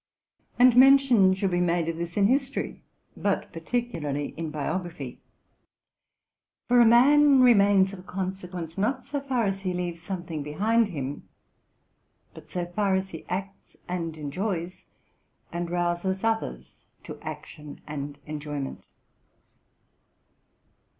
And mention should be made of this in history, but particularly in biography ; for a man remains of consequence, not so far ws he leaves something behind him, but so far as he acts and enjoys, and rouses others to action and enjoyment.